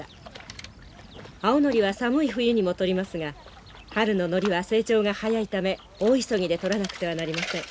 青ノリは寒い冬にも採りますが春のノリは成長が早いため大急ぎで採らなくてはなりません。